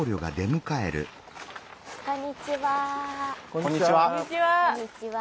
こんにちは。